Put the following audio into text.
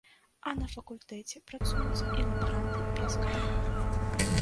А на факультэце працуюць і лабаранты без катэгорыі.